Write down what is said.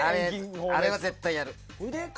あれは絶対やる。